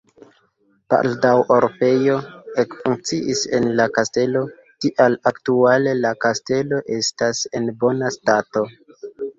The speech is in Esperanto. Baldaŭ orfejo ekfunkciis en la kastelo, tial aktuale la kastelo estas en bona stato.